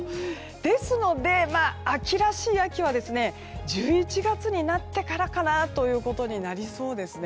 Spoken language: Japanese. ですので、秋らしい秋は１１月になってからかなということになりそうですね。